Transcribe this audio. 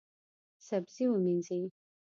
سبزي ومینځئ